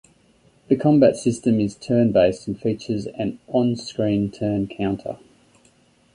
The combat system is turn based and features an on screen turn counter.